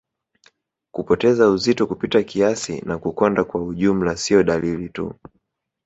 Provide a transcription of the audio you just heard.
Kupoteza uzito kupita kiasi na kukonda kwa ujumla sio dalili tu